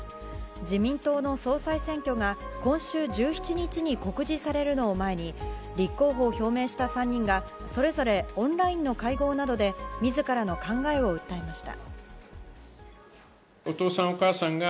自民党の総裁選挙が今週１７日に告示されるのを前に立候補を表明した３人がそれぞれオンラインの会合などで自らの考えを訴えました。